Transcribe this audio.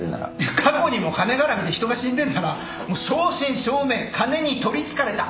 過去にも金がらみで人が死んでんならもう正真正銘金にとりつかれた悪女だよ。